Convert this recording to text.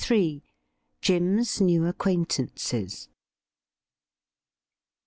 jim's new acquaintances.